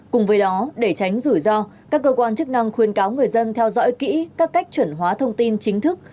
cùng với đó để tránh rủi ro các cơ quan chức năng khuyên cáo người dân theo dõi kỹ các cách chuẩn hóa thông tin chính thức